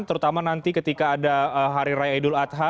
terutama nanti ketika ada hari raya idul adha